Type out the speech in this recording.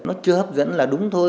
nó chưa hấp dẫn là đúng thôi